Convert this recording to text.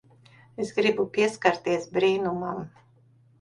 Es gribu pieskarties brīnumam.